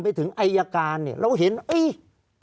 ภารกิจสรรค์ภารกิจสรรค์